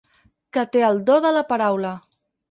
Que té el do de la paraula.